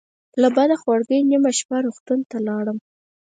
له بده خورګۍ نیمه شپه روغتون ته لاړم.